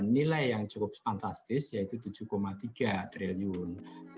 nilai yang cukup fantastis yaitu rp tujuh tiga triliun